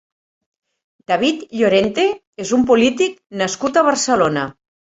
David Llorente és un polític nascut a Barcelona.